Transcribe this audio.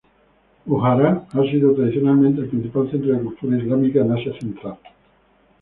Bujará ha sido tradicionalmente el principal centro de cultura islámica en Asia Central.